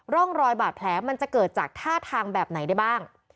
ร่องรอยบาดแผลมันจะเกิดจากท่าทางแบบไหนได้บ้าง